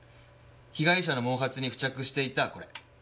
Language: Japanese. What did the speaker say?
被害者の毛髪に付着していたこれ。